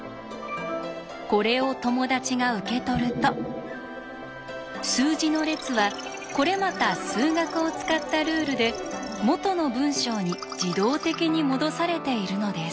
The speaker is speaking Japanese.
これを友達が受け取ると数字の列はこれまた数学を使ったルールで元の文章に自動的にもどされているのです。